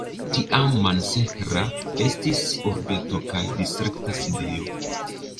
Tiam Mansehra estis urbeto kaj distrikta sidejo.